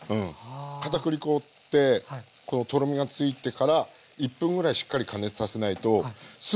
片栗粉ってこのとろみがついてから１分ぐらいしっかり加熱させないとすぐにね緩むんですよ。